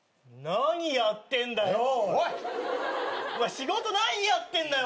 仕事何やってんだよ。